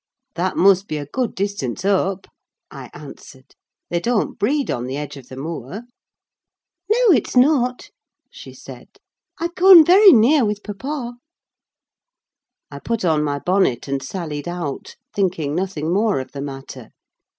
"That must be a good distance up," I answered; "they don't breed on the edge of the moor." "No, it's not," she said. "I've gone very near with papa." I put on my bonnet and sallied out, thinking nothing more of the matter.